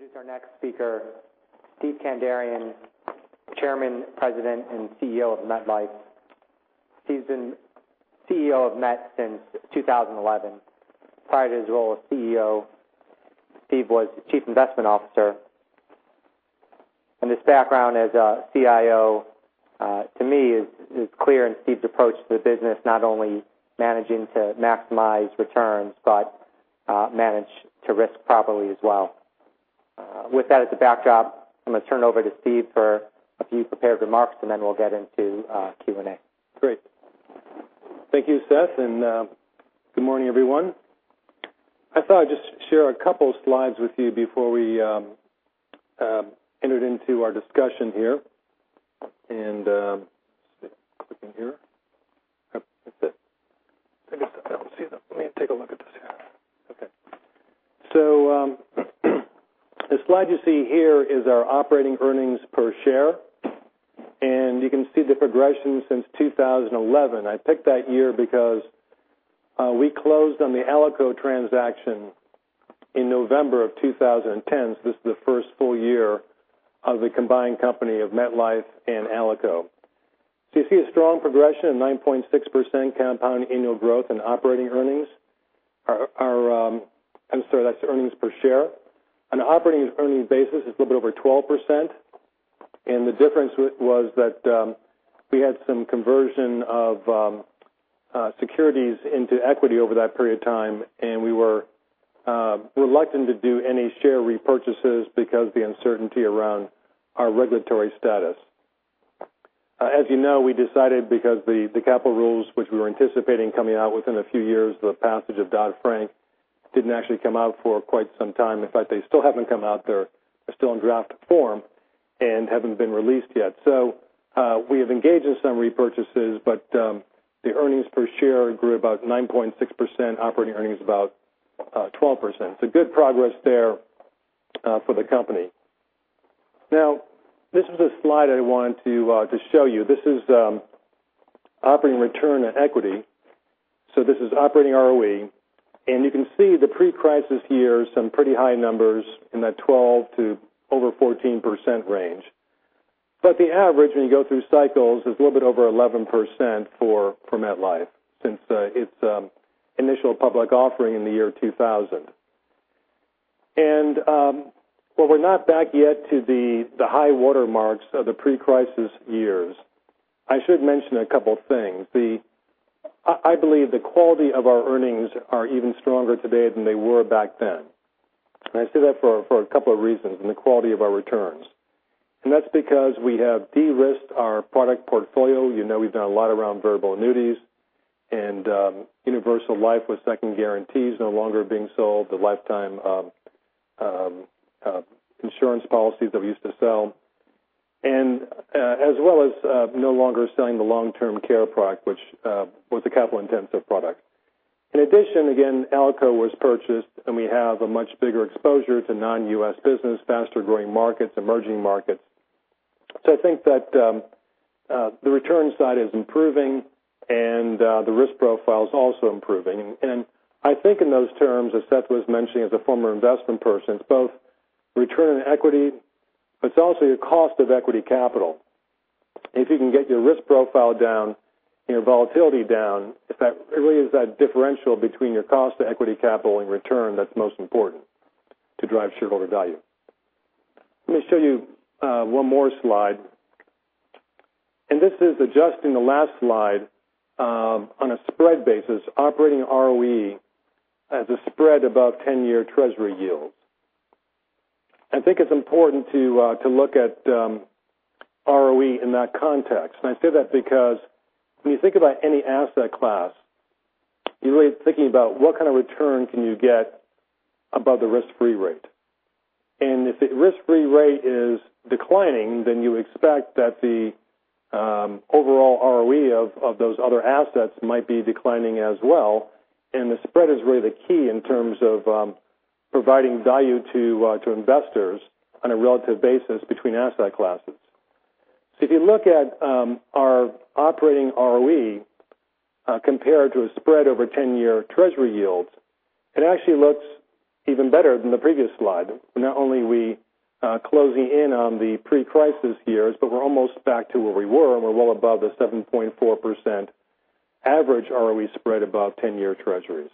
Please introduce our next speaker, Steven Kandarian, Chairman, President, and CEO of MetLife. Steve's been CEO of Met since 2011. Prior to his role as CEO, Steve was the Chief Investment Officer, and his background as a CIO, to me, is clear in Steve's approach to the business, not only managing to maximize returns but manage to risk properly as well. With that as the backdrop, I'm going to turn it over to Steve for a few prepared remarks, then we'll get into Q&A. Great. Thank you, Seth, and good morning, everyone. I thought I'd just share a couple of slides with you before we entered into our discussion here. Let's see. Click in here. Oh, that's it. I guess I don't see that. Let me take a look at this here. Okay. The slide you see here is our operating earnings per share, and you can see the progression since 2011. I picked that year because we closed on the Alico transaction in November of 2010. This is the first full year of the combined company of MetLife and Alico. You see a strong progression of 9.6% compound annual growth in operating earnings. I'm sorry, that's earnings per share. On an operating earnings basis, it's a little bit over 12%. The difference was that we had some conversion of securities into equity over that period of time, and we were reluctant to do any share repurchases because of the uncertainty around our regulatory status. As you know, we decided because the capital rules, which we were anticipating coming out within a few years of the passage of Dodd-Frank, didn't actually come out for quite some time. In fact, they still haven't come out. They're still in draft form and haven't been released yet. We have engaged in some repurchases, but the earnings per share grew about 9.6%, operating earnings about 12%. Good progress there for the company. This is a slide I wanted to show you. This is operating return on equity. This is operating ROE, and you can see the pre-crisis years, some pretty high numbers in that 12 to over 14% range. The average, when you go through cycles, is a little bit over 11% for MetLife since its initial public offering in the year 2000. While we're not back yet to the high water marks of the pre-crisis years, I should mention a couple of things. I believe the quality of our earnings are even stronger today than they were back then. I say that for a couple of reasons in the quality of our returns. That's because we have de-risked our product portfolio. You know we've done a lot around variable annuities and universal life with second guarantees no longer being sold, the life insurance policies that we used to sell, and as well as no longer selling the long-term care product, which was a capital-intensive product. In addition, again, Alico was purchased, and we have a much bigger exposure to non-U.S. business, faster-growing markets, emerging markets. I think that the return side is improving and the risk profile is also improving. I think in those terms, as Seth was mentioning as a former investment person, it's both return on equity, but it's also your cost of equity capital. If you can get your risk profile down and your volatility down, it really is that differential between your cost of equity capital and return that's most important to drive shareholder value. Let me show you one more slide. This is adjusting the last slide on a spread basis, operating ROE as a spread above 10-year Treasury yields. I think it's important to look at ROE in that context. I say that because when you think about any asset class, you're really thinking about what kind of return can you get above the risk-free rate. If the risk-free rate is declining, then you expect that the overall ROE of those other assets might be declining as well, and the spread is really the key in terms of providing value to investors on a relative basis between asset classes. If you look at our operating ROE compared to a spread over 10-year Treasury yields, it actually looks even better than the previous slide. Not only are we closing in on the pre-crisis years, but we're almost back to where we were, and we're well above the 7.4% average ROE spread above 10-year Treasuries.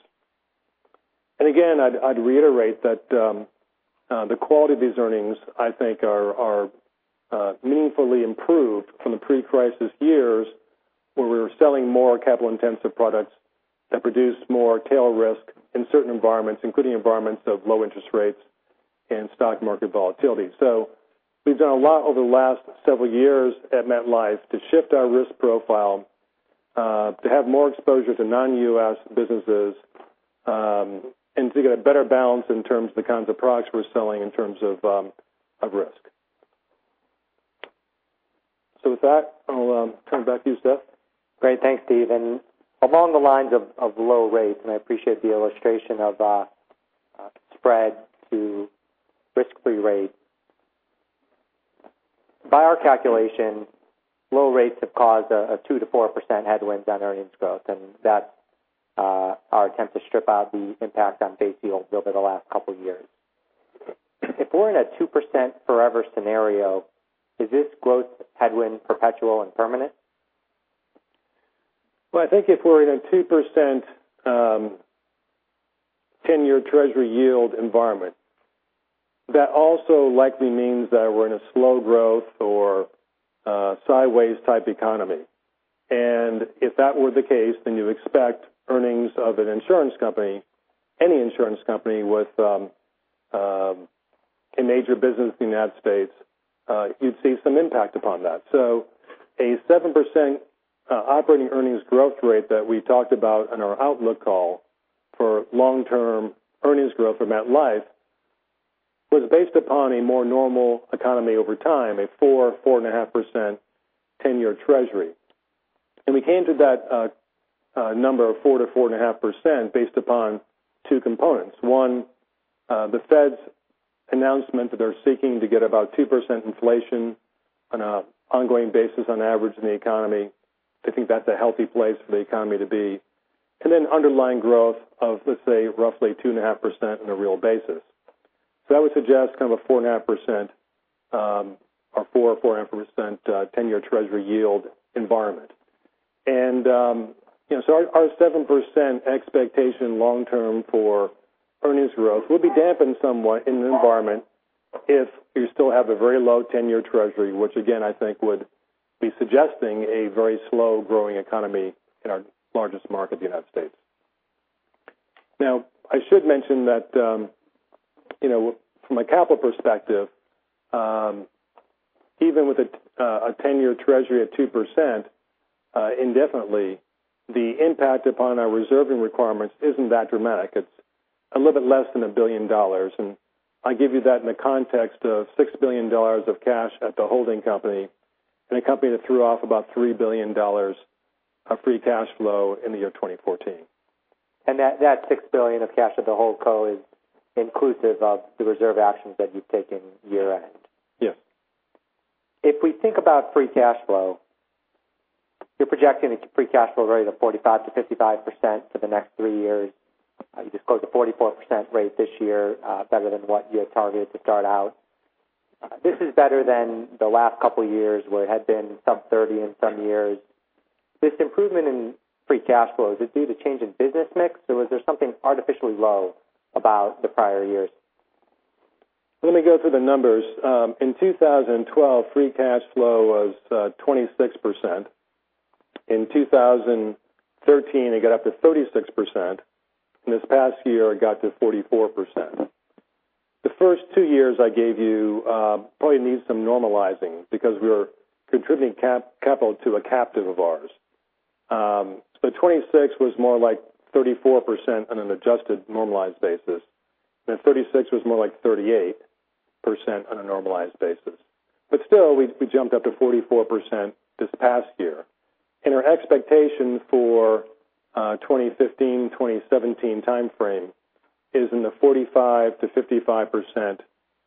Again, I'd reiterate that the quality of these earnings, I think, are meaningfully improved from the pre-crisis years where we were selling more capital-intensive products that produced more tail risk in certain environments, including environments of low interest rates and stock market volatility. We've done a lot over the last several years at MetLife to shift our risk profile, to have more exposure to non-U.S. businesses, and to get a better balance in terms of the kinds of products we're selling in terms of risk. With that, I'll turn it back to you, Seth. Great. Thanks, Steve. Along the lines of low rates, and I appreciate the illustration of spread to risk-free rate. By our calculation, low rates have caused a 2%-4% headwind on earnings growth, and that's our attempt to strip out the impact on base yield over the last couple of years. If we're in a 2% forever scenario, is this growth headwind perpetual and permanent? Well, I think if we're in a 2% 10-year Treasury yield environment, that also likely means that we're in a slow growth or sideways type economy. If that were the case, you expect earnings of an insurance company, any insurance company with a major business in the United States, you'd see some impact upon that. A 7% operating earnings growth rate that we talked about on our outlook call for long-term earnings growth for MetLife was based upon a more normal economy over time, a 4%, 4.5% 10-year Treasury. We came to that number of 4%-4.5% based upon two components. One, the Fed's announcement that they're seeking to get about 2% inflation on an ongoing basis on average in the economy. They think that's a healthy place for the economy to be. Underlying growth of, let's say, roughly 2.5% on a real basis. That would suggest kind of a 4.5% or 4%, 4.5% 10-year Treasury yield environment. Our 7% expectation long-term for earnings growth will be dampened somewhat in an environment if you still have a very low 10-year Treasury, which again, I think would be suggesting a very slow-growing economy in our largest market, the United States. Now, I should mention that from a capital perspective, even with a 10-year Treasury at 2% indefinitely, the impact upon our reserving requirements isn't that dramatic. It's a little bit less than $1 billion. I give you that in the context of $6 billion of cash at the holding company in a company that threw off about $3 billion of free cash flow in the year 2014. That $6 billion of cash at the holdco is inclusive of the reserve actions that you've taken year-end? Yes. If we think about free cash flow, you're projecting a free cash flow rate of 45%-55% for the next three years. You just closed a 44% rate this year, better than what you had targeted to start out. This is better than the last couple of years, where it had been sub 30 in some years. This improvement in free cash flow, is it due to change in business mix, or was there something artificially low about the prior years? Let me go through the numbers. In 2012, free cash flow was 26%. In 2013, it got up to 36%, and this past year it got to 44%. The first two years I gave you probably need some normalizing because we were contributing capital to a captive of ours. 26% was more like 34% on an adjusted normalized basis. 36% was more like 38% on a normalized basis. Still, we jumped up to 44% this past year. Our expectation for 2015, 2017 timeframe is in the 45%-55%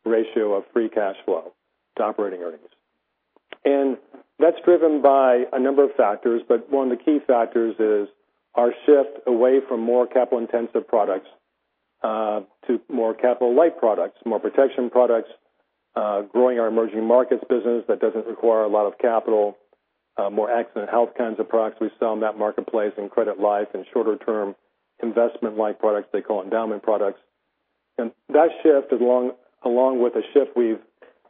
ratio of free cash flow to operating earnings. That's driven by a number of factors, but one of the key factors is our shift away from more capital-intensive products to more capital-light products, more protection products, growing our emerging markets business that doesn't require a lot of capital, more Accident & Health kinds of products we sell in that marketplace in Credit Life and shorter term investment-like products they call endowment products. That shift, along with a shift we've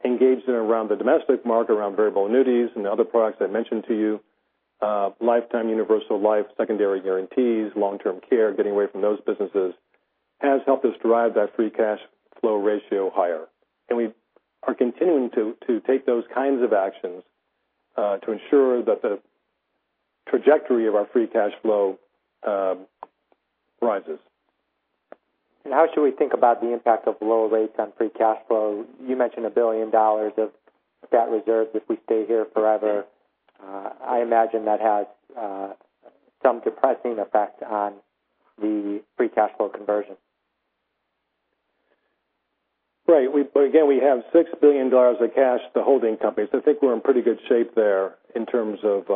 engaged in around the domestic market, around variable annuities and the other products I mentioned to you, lifetime universal life, secondary guarantees, long-term care, getting away from those businesses has helped us drive that free cash flow ratio higher. We are continuing to take those kinds of actions to ensure that the trajectory of our free cash flow rises. How should we think about the impact of low rates on free cash flow? You mentioned $1 billion of that reserve if we stay here forever. I imagine that has some depressing effect on the free cash flow conversion. Right. Again, we have $6 billion of cash at the holding company, so I think we're in pretty good shape there in terms of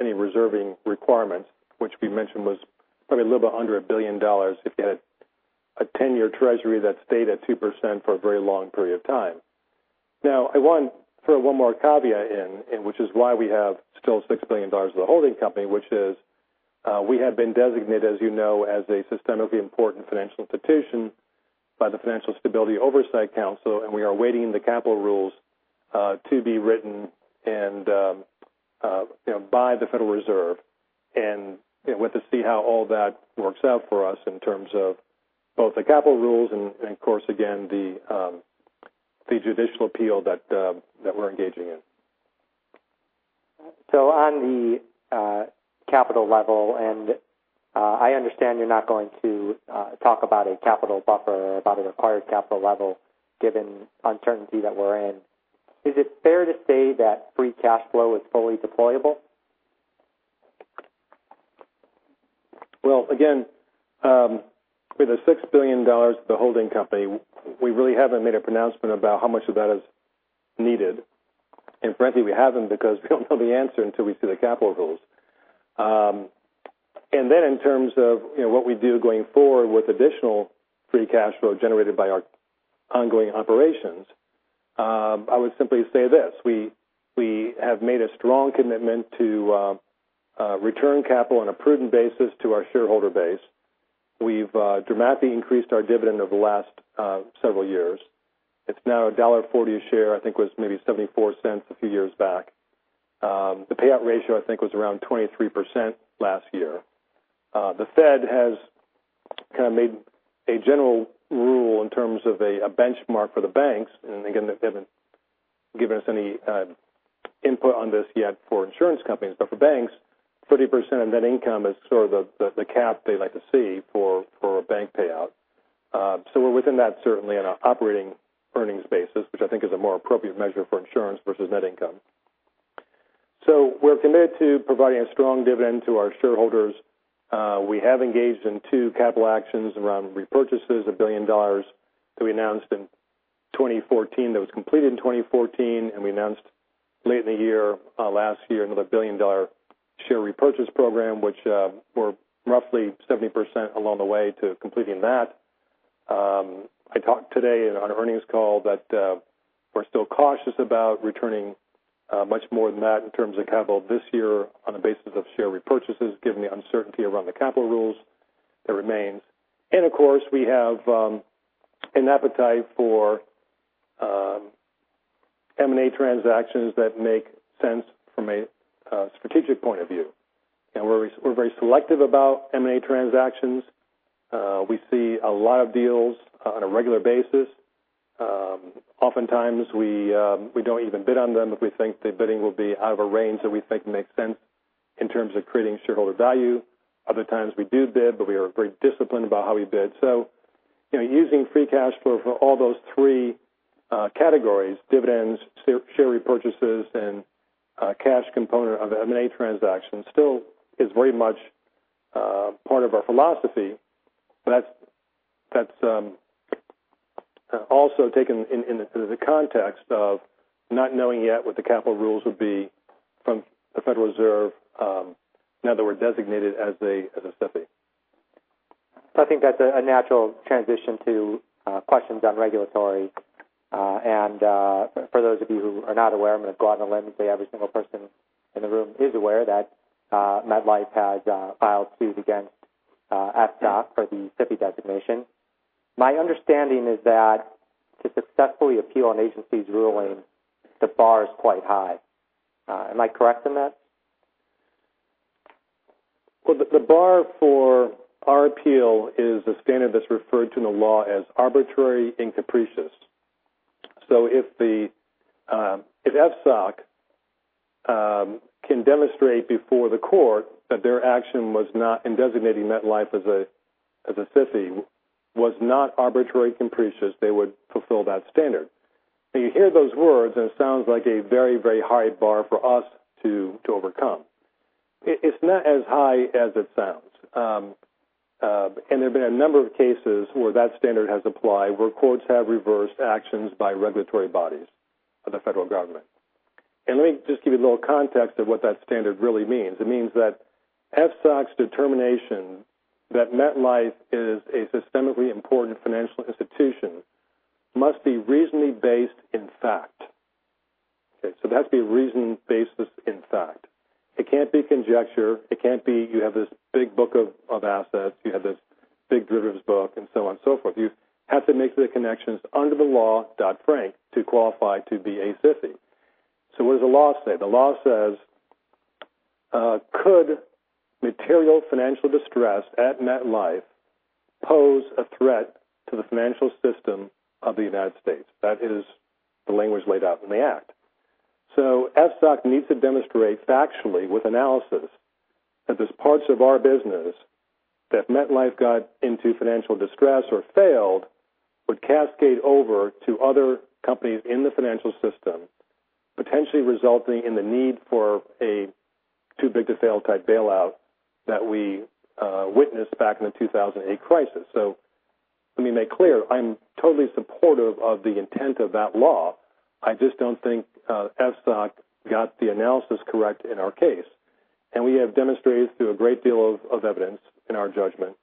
any reserving requirements, which we mentioned was probably a little bit under $1 billion if you had a 10-year Treasury that stayed at 2% for a very long period of time. I want to throw one more caveat in, which is why we have still $6 billion of the holding company, which is we have been designated, as you know, as a systemically important financial institution by the Financial Stability Oversight Council, and we are awaiting the capital rules to be written by the Federal Reserve and we'll have to see how all that works out for us in terms of both the capital rules and, of course, again, the judicial appeal that we're engaging in. On the capital level, I understand you're not going to talk about a capital buffer, about a required capital level given uncertainty that we're in, is it fair to say that free cash flow is fully deployable? Again, with the $6 billion, the holding company, we really haven't made a pronouncement about how much of that is needed. Frankly, we haven't because we don't know the answer until we see the capital rules. Then in terms of what we do going forward with additional free cash flow generated by our ongoing operations, I would simply say this, we have made a strong commitment to return capital on a prudent basis to our shareholder base. We've dramatically increased our dividend over the last several years. It's now $1.40 a share. I think it was maybe $0.74 a few years back. The payout ratio, I think, was around 23% last year. The Federal Reserve has kind of made a general rule in terms of a benchmark for the banks, again, they haven't given us any input on this yet for insurance companies, for banks, 30% of net income is sort of the cap they'd like to see for a bank payout. We're within that certainly on an operating earnings basis, which I think is a more appropriate measure for insurance versus net income. We're committed to providing a strong dividend to our shareholders. We have engaged in two capital actions around repurchases, $1 billion that we announced in 2014, that was completed in 2014, we announced late in the year, last year, another $1 billion share repurchase program, which we're roughly 70% along the way to completing that. I talked today on our earnings call that we're still cautious about returning much more than that in terms of capital this year on the basis of share repurchases, given the uncertainty around the capital rules that remains. Of course, we have an appetite for M&A transactions that make sense from a strategic point of view. We're very selective about M&A transactions. We see a lot of deals on a regular basis. Oftentimes, we don't even bid on them if we think the bidding will be out of a range that we think makes sense in terms of creating shareholder value. Other times we do bid, we are very disciplined about how we bid. Using free cash flow for all those three categories, dividends, share repurchases, and cash component of M&A transactions still is very much part of our philosophy. That's also taken in the context of not knowing yet what the capital rules would be from the Federal Reserve. In other words, designated as a SIFI. I think that's a natural transition to questions on regulatory. For those of you who are not aware, I'm going to go out on a limb and say every single person in the room is aware that MetLife has filed suit against FSOC for the SIFI designation. My understanding is that to successfully appeal an agency's ruling, the bar is quite high. Am I correct in that? Well, the bar for our appeal is a standard that's referred to in the law as arbitrary and capricious. If FSOC can demonstrate before the court that their action in designating MetLife as a SIFI was not arbitrary and capricious, they would fulfill that standard. You hear those words, and it sounds like a very, very high bar for us to overcome. It's not as high as it sounds. There have been a number of cases where that standard has applied, where courts have reversed actions by regulatory bodies of the federal government. Let me just give you a little context of what that standard really means. It means that FSOC's determination that MetLife is a systemically important financial institution must be reasonably based in fact. Okay? It has to be reasonably based in fact. It can't be conjecture. It can't be you have this big book of assets, you have this big derivatives book, and so on and so forth. You have to make the connections under the law, Dodd-Frank, to qualify to be a SIFI. What does the law say? The law says, could material financial distress at MetLife pose a threat to the financial system of the United States? That is the language laid out in the act. FSOC needs to demonstrate factually with analysis that there's parts of our business that if MetLife got into financial distress or failed, would cascade over to other companies in the financial system, potentially resulting in the need for a too-big-to-fail-type bailout that we witnessed back in the 2008 crisis. Let me make clear, I'm totally supportive of the intent of that law. I just don't think FSOC got the analysis correct in our case. We have demonstrated through a great deal of evidence, in our judgment,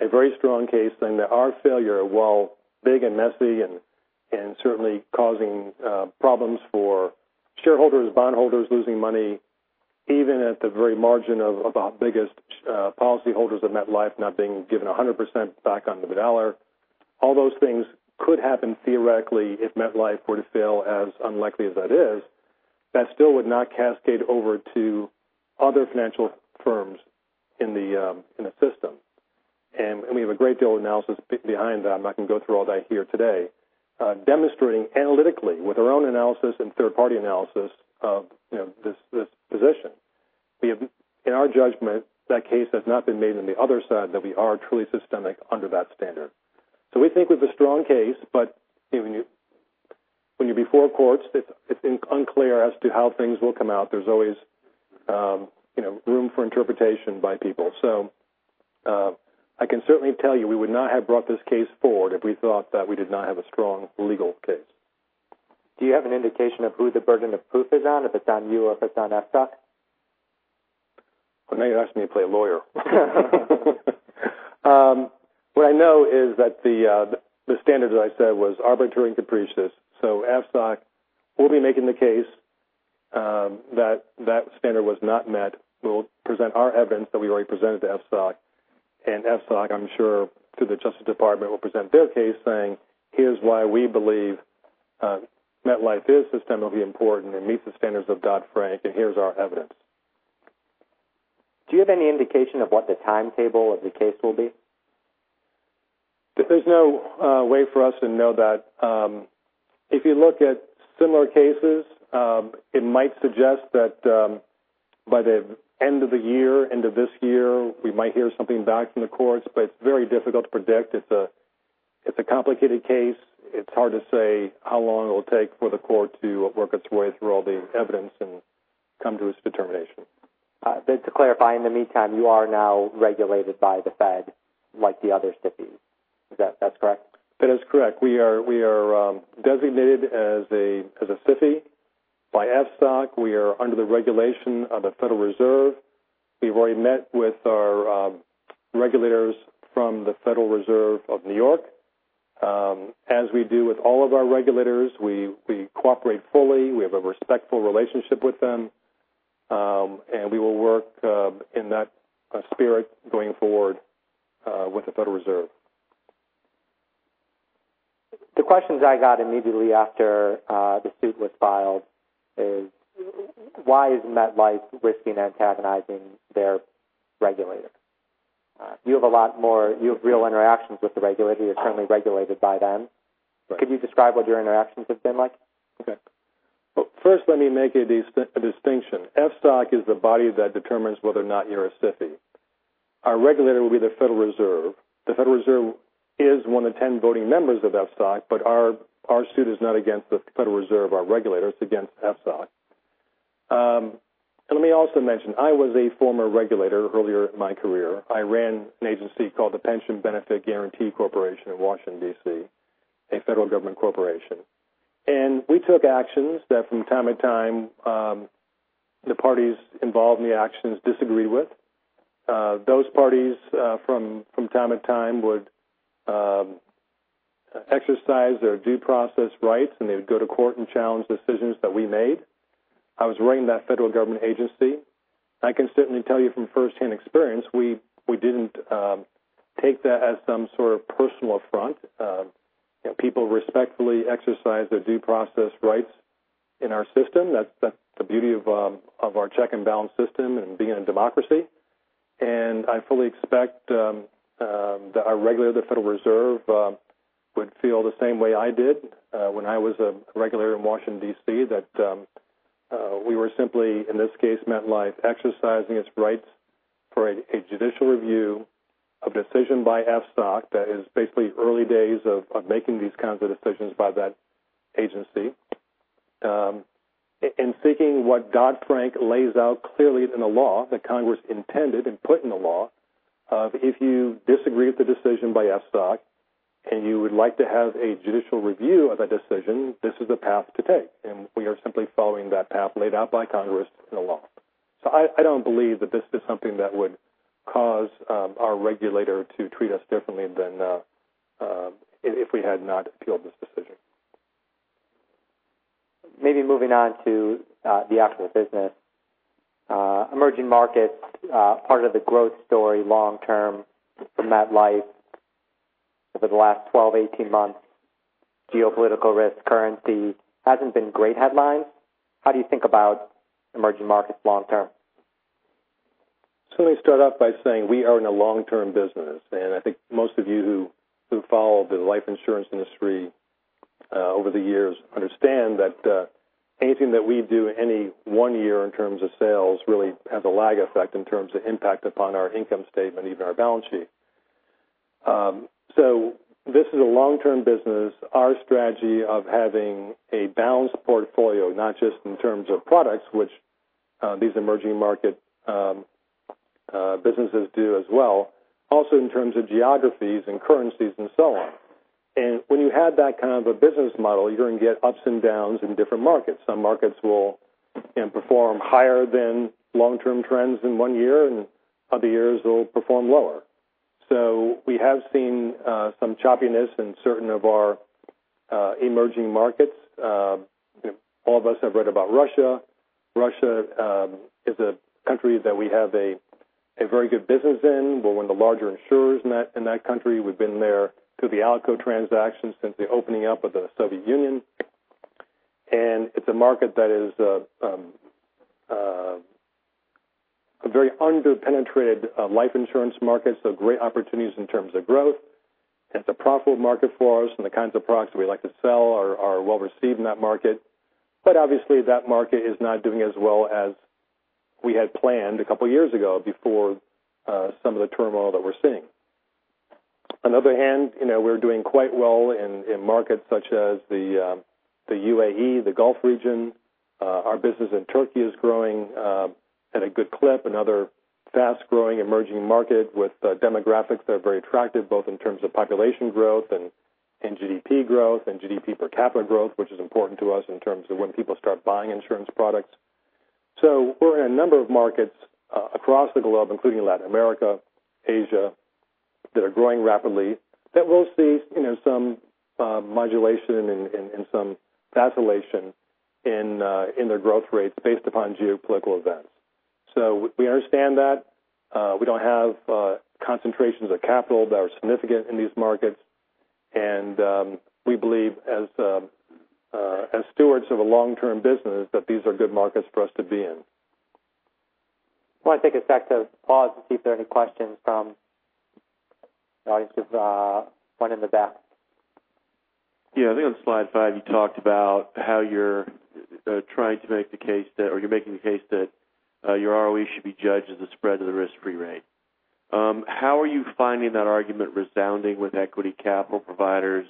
a very strong case then that our failure, while big and messy and certainly causing problems for shareholders, bondholders losing money, even at the very margin of our biggest policyholders of MetLife not being given 100% back on every dollar. All those things could happen theoretically if MetLife were to fail, as unlikely as that is. That still would not cascade over to other financial firms in the system. We have a great deal of analysis behind that, and I can go through all that here today demonstrating analytically with our own analysis and third-party analysis of this position. In our judgment, that case has not been made on the other side that we are truly systemic under that standard. We think we have a strong case, but even when you're before courts, it's unclear as to how things will come out. There's always room for interpretation by people. I can certainly tell you we would not have brought this case forward if we thought that we did not have a strong legal case. Do you have an indication of who the burden of proof is on, if it's on you or if it's on FSOC? Well, now you're asking me to play a lawyer. What I know is that the standard, as I said, was arbitrary and capricious. FSOC will be making the case that that standard was not met. We'll present our evidence that we already presented to FSOC, and FSOC, I'm sure, through the Justice Department, will present their case saying, "Here's why we believe MetLife, this system will be important and meets the standards of Dodd-Frank, and here's our evidence. Do you have any indication of what the timetable of the case will be? There's no way for us to know that. If you look at similar cases, it might suggest that by the end of the year, end of this year, we might hear something back from the courts, it's very difficult to predict. It's a complicated case. It's hard to say how long it'll take for the court to work its way through all the evidence and come to its determination. Just to clarify, in the meantime, you are now regulated by the Fed, like the other SIFIs. That's correct? That is correct. We are designated as a SIFI by FSOC. We are under the regulation of the Federal Reserve. We've already met with our regulators from the Federal Reserve of New York. As we do with all of our regulators, we cooperate fully. We have a respectful relationship with them, we will work in that spirit going forward with the Federal Reserve. The questions I got immediately after the suit was filed is why MetLife risking antagonizing their regulator? You have real interactions with the regulator. You're currently regulated by them. Right. Could you describe what your interactions have been like? Okay. Well, first let me make a distinction. FSOC is the body that determines whether or not you're a SIFI. Our regulator will be the Federal Reserve. The Federal Reserve is one of 10 voting members of FSOC, but our suit is not against the Federal Reserve, our regulator. It's against FSOC. Let me also mention, I was a former regulator earlier in my career. I ran an agency called the Pension Benefit Guaranty Corporation in Washington, D.C., a federal government corporation. We took actions that from time to time the parties involved in the actions disagreed with. Those parties from time to time would exercise their due process rights, and they would go to court and challenge decisions that we made. I was running that federal government agency. I can certainly tell you from firsthand experience, we didn't take that as some sort of personal affront. People respectfully exercise their due process rights in our system. That's the beauty of our check and balance system and being a democracy. I fully expect that our regulator, the Federal Reserve, would feel the same way I did when I was a regulator in Washington, D.C., that we were simply, in this case, MetLife exercising its rights for a judicial review of decision by FSOC that is basically early days of making these kinds of decisions by that agency. Seeking what Dodd-Frank lays out clearly in the law that Congress intended and put in the law of if you disagree with the decision by FSOC and you would like to have a judicial review of that decision, this is the path to take, and we are simply following that path laid out by Congress in the law. I don't believe that this is something that would cause our regulator to treat us differently than if we had not appealed this decision. Maybe moving on to the actual business. Emerging markets, part of the growth story long term for MetLife over the last 12, 18 months, geopolitical risk, currency, hasn't been great headlines. How do you think about emerging markets long term? Let me start off by saying we are in a long-term business, and I think most of you who follow the life insurance industry over the years understand that anything that we do any one year in terms of sales really has a lag effect in terms of impact upon our income statement, even our balance sheet. This is a long-term business. Our strategy of having a balanced portfolio, not just in terms of products, which these emerging market businesses do as well, also in terms of geographies and currencies and so on. When you have that kind of a business model, you're going to get ups and downs in different markets. Some markets will perform higher than long-term trends in one year, and other years they'll perform lower. We have seen some choppiness in certain of our emerging markets. All of us have read about Russia. Russia is a country that we have a very good business in. We're one of the larger insurers in that country. We've been there through the Alico transactions since the opening up of the Soviet Union. It's a market that is a very under-penetrated life insurance market, so great opportunities in terms of growth. It's a profitable market for us, and the kinds of products that we like to sell are well received in that market. Obviously, that market is not doing as well as we had planned a couple of years ago before some of the turmoil that we're seeing. On the other hand, we're doing quite well in markets such as the UAE, the Gulf region. Our business in Turkey is growing at a good clip. Another fast-growing emerging market with demographics that are very attractive, both in terms of population growth and GDP growth, and GDP per capita growth, which is important to us in terms of when people start buying insurance products. We're in a number of markets across the globe, including Latin America, Asia, that are growing rapidly, that will see some modulation and some vacillation in their growth rates based upon geopolitical events. We understand that. We don't have concentrations of capital that are significant in these markets, and we believe as stewards of a long-term business, that these are good markets for us to be in. I want to take a sec to pause to see if there are any questions from the audience. There's one in the back. Yeah. I think on slide five, you talked about how you're trying to make the case that, or you're making the case that your ROE should be judged as a spread to the risk-free rate. How are you finding that argument resounding with equity capital providers,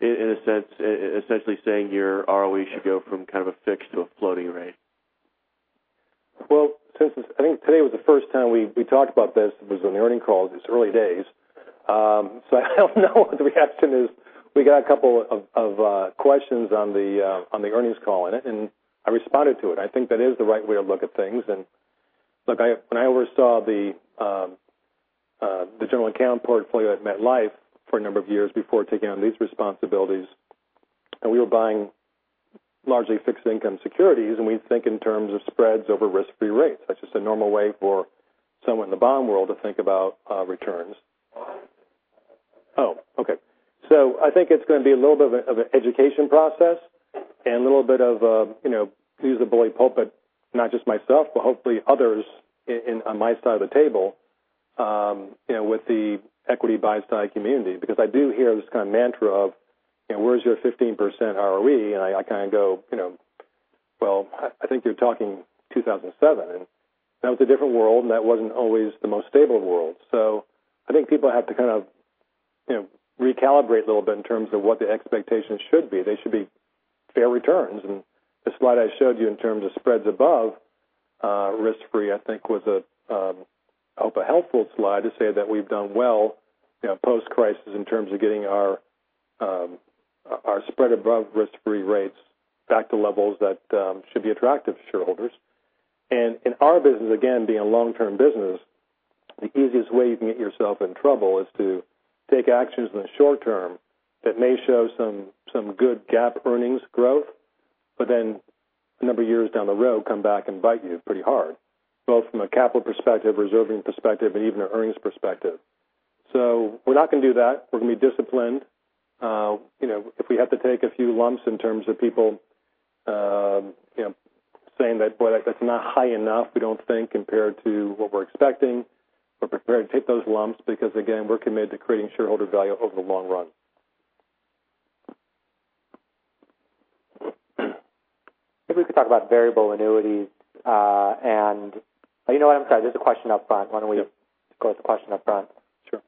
in a sense, essentially saying your ROE should go from kind of a fixed to a floating rate? Well, since I think today was the first time we talked about this, it was on the earning call, it's early days. I don't know. The reaction is we got a couple of questions on the earnings call, and I responded to it. I think that is the right way to look at things. Look, I oversaw the general account portfolio at MetLife for a number of years before taking on these responsibilities, and we were buying largely fixed income securities, and we'd think in terms of spreads over risk-free rates. That's just a normal way for someone in the bond world to think about returns. Oh, okay. I think it's going to be a little bit of an education process and a little bit of use the bully pulpit, not just myself, but hopefully others on my side of the table with the equity buy-side community. I do hear this kind of mantra of, "Where's your 15% ROE?" I kind of go, "Well, I think you're talking 2007," that was a different world, that wasn't always the most stable world. I think people have to kind of recalibrate a little bit in terms of what the expectations should be. They should be fair returns. The slide I showed you in terms of spreads above risk-free, I think was a helpful slide to say that we've done well post-crisis in terms of getting our spread above risk-free rates back to levels that should be attractive to shareholders. In our business, again, being a long-term business, the easiest way you can get yourself in trouble is to take actions in the short term that may show some good GAAP earnings growth, a number of years down the road come back and bite you pretty hard, both from a capital perspective, reserving perspective, and even an earnings perspective. We're not going to do that. We're going to be disciplined. If we have to take a few lumps in terms of people saying that, "Boy, that's not high enough, we don't think, compared to what we're expecting." We're prepared to take those lumps because, again, we're committed to creating shareholder value over the long run. Maybe we could talk about variable annuities. You know what? I'm sorry. There's a question up front. Why don't we go with the question up front? Sure.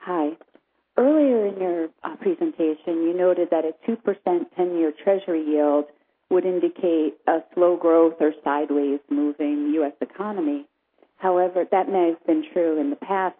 Hi. Earlier in your presentation, you noted that a 2% 10-year Treasury yield would indicate a slow growth or sideways-moving U.S. economy. However, that may have been true in the past,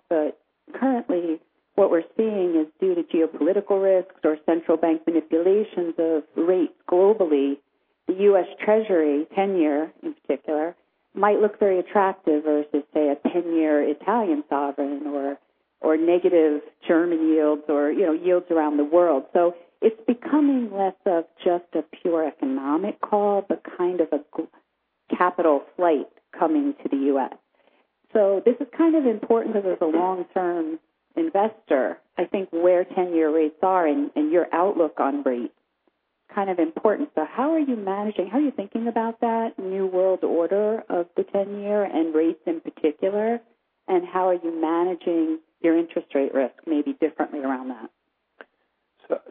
currently what we're seeing is due to geopolitical risks or central bank manipulations of rates globally, the U.S. Treasury, 10-year in particular, might look very attractive versus, say, a 10-year Italian sovereign or negative German yields or yields around the world. It's becoming less of just a pure economic call, but kind of a capital flight coming to the U.S. This is kind of important because as a long-term investor, I think where 10-year rates are and your outlook on rates kind of important. How are you managing, how are you thinking about that new world order of the 10-year and rates in particular, and how are you managing your interest rate risk maybe differently around that?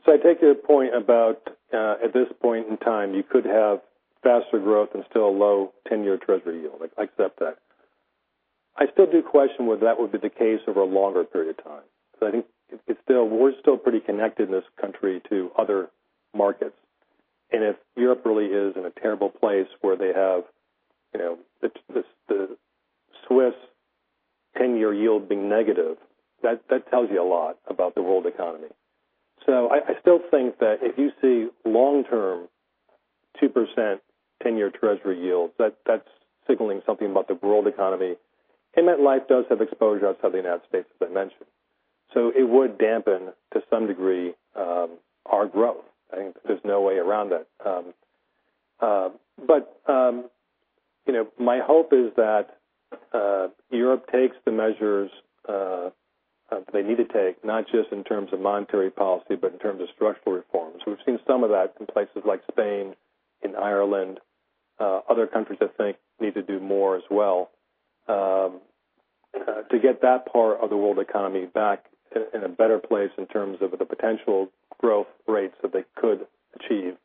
I take your point about, at this point in time, you could have faster growth and still a low 10-year Treasury yield. I accept that. I still do question whether that would be the case over a longer period of time, because I think we're still pretty connected in this country to other markets, and if Europe really is in a terrible place where they have the Swiss 10-year yield being negative, that tells you a lot about the world economy. I still think that if you see long-term 2% 10-year Treasury yields, that's signaling something about the world economy, and MetLife does have exposure outside the U.S., as I mentioned. It would dampen, to some degree, our growth. I think there's no way around it. My hope is that Europe takes the measures that they need to take, not just in terms of monetary policy, but in terms of structural reforms. We've seen some of that in places like Spain, in Ireland, other countries I think need to do more as well to get that part of the world economy back in a better place in terms of the potential growth rates that they could achieve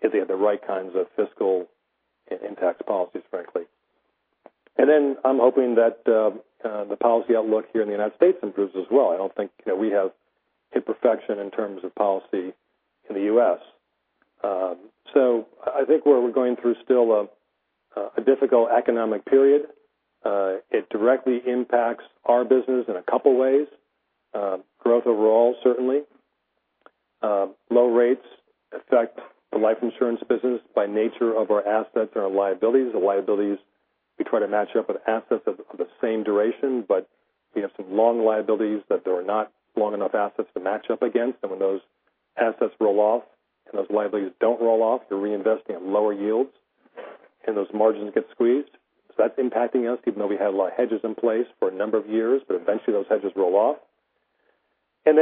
If they have the right kinds of fiscal and impact policies, frankly. I'm hoping that the policy outlook here in the U.S. improves as well. I don't think we have hit perfection in terms of policy in the U.S. I think we're going through still a difficult economic period. It directly impacts our business in a couple ways. Growth overall, certainly. Low rates affect the life insurance business by nature of our assets and our liabilities. The liabilities, we try to match up with assets of the same duration, but we have some long liabilities that there are not long enough assets to match up against. When those assets roll off and those liabilities don't roll off, you're reinvesting at lower yields, and those margins get squeezed. That's impacting us, even though we had a lot of hedges in place for a number of years, but eventually those hedges roll off. In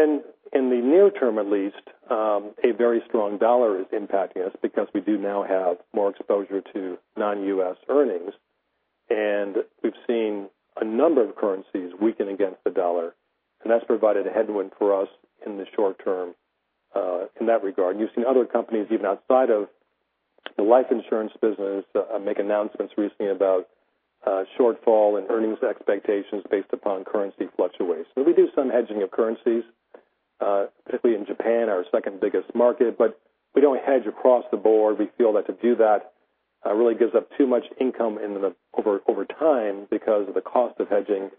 the near term, at least, a very strong dollar is impacting us because we do now have more exposure to non-U.S. earnings, and we've seen a number of currencies weaken against the dollar, and that's provided a headwind for us in the short term, in that regard. You've seen other companies, even outside of the life insurance business, make announcements recently about shortfall in earnings expectations based upon currency fluctuations. We do some hedging of currencies, particularly in Japan, our second biggest market, but we don't hedge across the board. We feel that to do that really gives up too much income over time because of the cost of hedging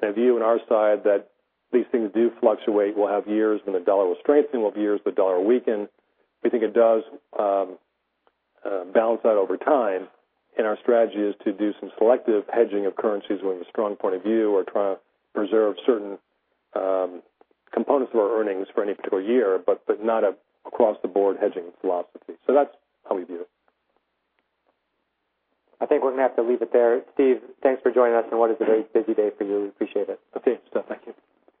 and a view on our side that these things do fluctuate. We'll have years when the dollar will strengthen, we'll have years the dollar will weaken. We think it does balance out over time, and our strategy is to do some selective hedging of currencies when we have a strong point of view or try to preserve certain components of our earnings for any particular year, but not across the board hedging philosophy. That's how we view it. I think we're going to have to leave it there. Steve, thanks for joining us on what is a very busy day for you. We appreciate it. Okay. Thank you.